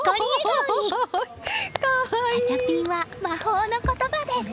ガチャピンは魔法の言葉です！